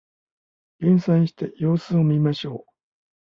減産して様子を見ましょう